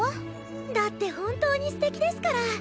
だって本当にすてきですから。